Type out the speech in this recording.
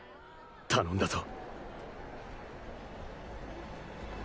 頼んだぞ！